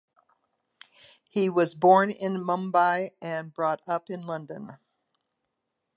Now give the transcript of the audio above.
He was born in Mumbai and brought up in London.